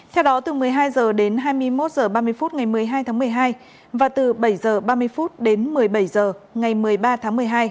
theo đó từ một mươi hai h đến hai mươi một h ba mươi phút ngày một mươi hai tháng một mươi hai và từ bảy h ba mươi đến một mươi bảy h ngày một mươi ba tháng một mươi hai